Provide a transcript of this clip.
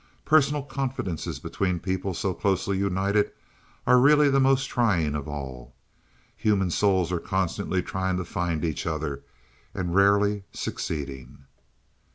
Personal confidences between people so closely united are really the most trying of all. Human souls are constantly trying to find each other, and rarely succeeding.